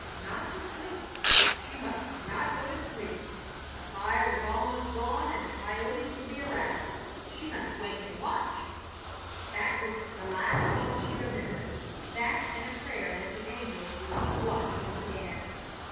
Not to sleep. She must not go to sleep. The fire was almost gone and the coyotes would be around. She must wake and watch! That was the last thought she remembered that and a prayer that the angels would keep watch once again.